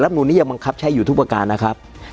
นูลนี้ยังบังคับใช้อยู่ทุกประการนะครับ